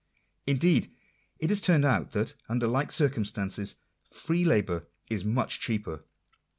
Indeed it has turned out that, under like cir cumstances, free labour is much cheaper.